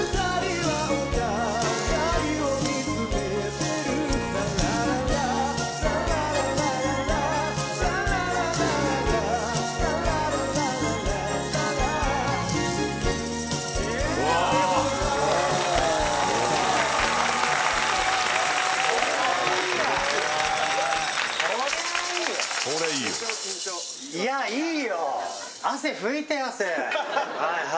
はいはい。